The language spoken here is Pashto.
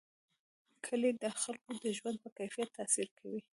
کلي د خلکو د ژوند په کیفیت تاثیر کوي.